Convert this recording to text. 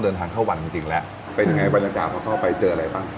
เดินทางเข้าวันจริงจริงแล้วเป็นยังไงบรรยากาศพอเข้าไปเจออะไรบ้าง